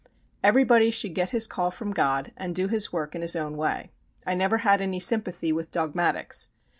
Everybody should get his call from God, and do his work in his own way. I never had any sympathy with dogmatics.